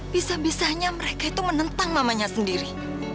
bisa bisanya mereka itu menentang mamanya sendiri